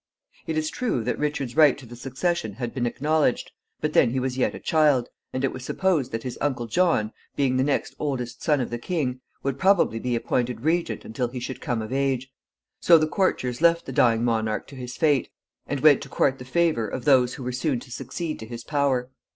It is true that Richard's right to the succession had been acknowledged, but then he was yet a child, and it was supposed that his uncle John, being the next oldest son of the king, would probably be appointed regent until he should come of age. So the courtiers left the dying monarch to his fate, and went to court the favor of those who were soon to succeed to his power.